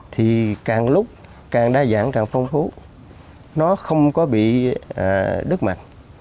thì càng lúc càng đa dạng càng phong phú nó không có bị đứt mặn